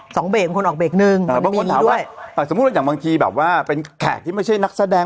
สองเบรกมีิงด้วยแต่สมมุติว่าอย่างบางทีแบบว่าเป็นแขกที่ไม่ใช่นักแสดง